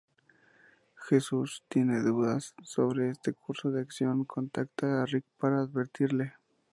Jesús, que tiene dudas sobre este curso de acción, contacta a Rick para advertirle.